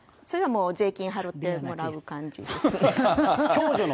それはもう税金はろうてもらう感じですね。